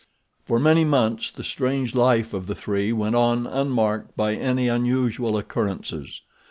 For many months the strange life of the three went on unmarked by any unusual occurrences.